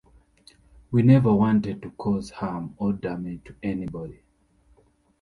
We never wanted to cause harm or damage to anybody.